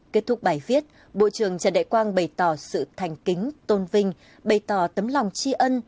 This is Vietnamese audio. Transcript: kết thúc bài viết bộ trưởng trần đại quang bày tỏ sự thành kính tôn vinh bày tỏ tấm lòng tri ân